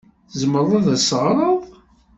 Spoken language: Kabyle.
Tzemreḍ ad as-teɣreḍ?